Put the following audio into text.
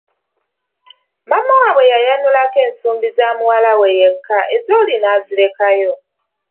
Maama waabwe yayanulako nsumbi za muwala we yekka ez’oli nazirekayo.